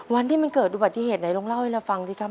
วันที่มันเกิดอุบัติเหตุไหนลองเล่าให้เราฟังสิครับ